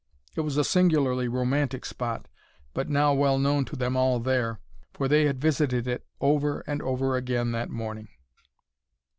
It was a singularly romantic spot, but now well known to them all there, for they had visited it over and over again that morning.